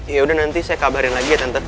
yaudah nanti saya kabarin lagi ya tante